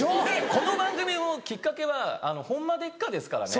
この番組もきっかけは『ホンマでっか⁉』ですからね。